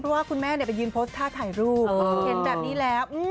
เพราะว่าคุณแม่ไปยืนโพสต์ท่าถ่ายรูปเห็นแบบนี้แล้ว